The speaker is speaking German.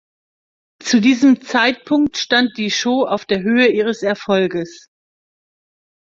Zu diesem Zeitpunkt stand die Show auf der Höhe ihres Erfolges.